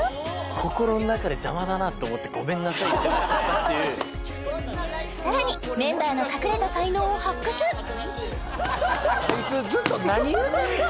心の中で邪魔だなって思ってごめんなさいってなっちゃったというさらにメンバーの隠れた才能を発掘こいつずっと何言うてんの？